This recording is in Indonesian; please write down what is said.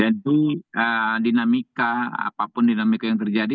dan itu dinamika apapun dinamika yang terjadi